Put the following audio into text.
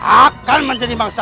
akan menjadi bangsa kaya